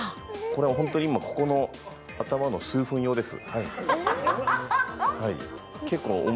これは本当に今、頭の数分用です。